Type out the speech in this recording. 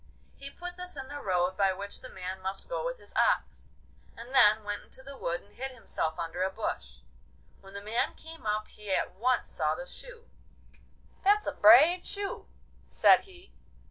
He put this in the road by which the man must go with his ox, and then went into the wood and hid himself under a bush. When the man came up he at once saw the shoe. 'That's a brave shoe,' said he.